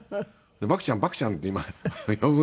「獏ちゃん獏ちゃん」って今呼ぶんで。